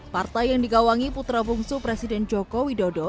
partai yang digawangi putra bungsu presiden jokowi dodo